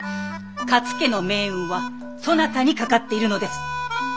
勝家の命運はそなたにかかっているのです。